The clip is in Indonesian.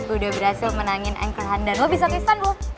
udah berhasil menangin angkor han dan lo bisa kesan lo